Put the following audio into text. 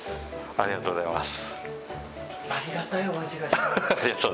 ありがとうございます。